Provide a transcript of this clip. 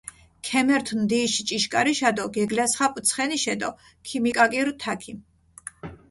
ქემერთჷ ნდიიში ჭიშქარიშა დო გეგლასხაპჷ ცხენიშე დო ქიმიკაკირჷ თაქი.